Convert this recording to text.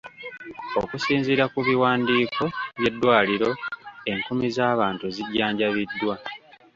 Okusinziira ku biwandiiko by'eddwaliro, enkumi z'abantu zijjanjabiddwa.